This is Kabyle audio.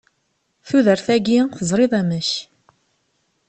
Tudert-agi, tezṛiḍ amek!